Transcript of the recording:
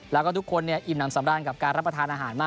แล้วก็ทุกคนอิ่มน้ำสำราญกับการรับประทานอาหารมาก